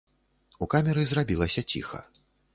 У камеры зрабілася ціха.